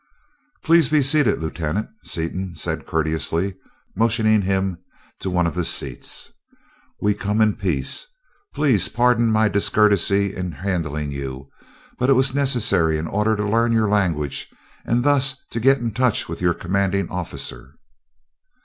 "Please be seated, lieutenant," Seaton said courteously, motioning him to one of the seats. "We come in peace. Please pardon my discourtesy in handling you, but it was necessary in order to learn your language and thus to get in touch with your commanding officer."